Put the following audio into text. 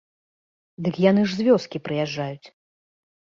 Дык яны ж з вёскі прыязджаюць.